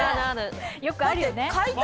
よくあるよね。